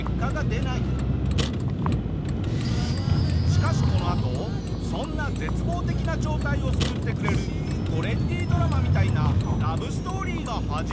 しかしこのあとそんな絶望的な状態を救ってくれるトレンディードラマみたいなラブストーリーが始まるぞ！